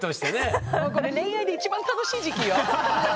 もうこれ恋愛で一番楽しい時期よ？